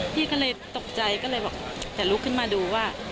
พี่ก็เลยตกใจก็เลยบอกแต่ลุกขึ้นมาดูว่า